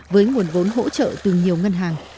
với nguồn vốn hỗ trợ từ nhiều ngân hàng